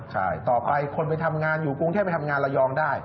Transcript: ใช่ต่อไปคนไปทำงานอยู่กรุงเทพไปทำงานระยองได้